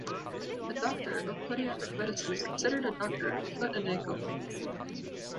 A Doctor of Podiatric Medicine is considered a doctor of the foot and ankle.